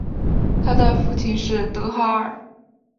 她的父亲是德哈尔。